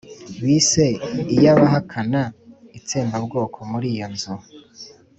bise iy'abahakana itsembabwoko muri iyo nzu.